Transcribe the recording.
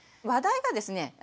話題がですね